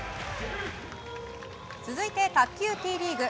続いて、卓球Ｔリーグ。